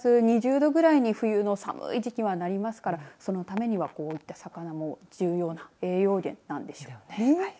マイナス２０度ぐらいに冬の寒い時期は、なりますからそのためには、こういった魚も重要な栄養源なんでしょうね。